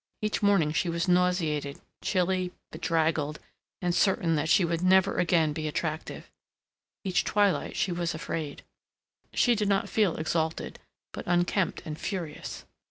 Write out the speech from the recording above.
Each morning she was nauseated, chilly, bedraggled, and certain that she would never again be attractive; each twilight she was afraid. She did not feel exalted, but unkempt and furious.